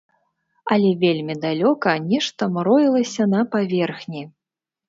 Але вельмі далёка нешта мроілася на паверхні.